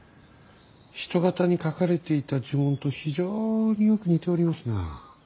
人形に書かれていた呪文と非常によく似ておりますな。